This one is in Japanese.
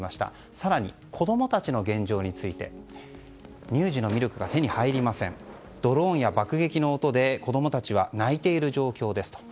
更に子供たちの現状について乳児のミルクが手に入らずドローンや爆撃の音で子供たちは泣いている状況ですと。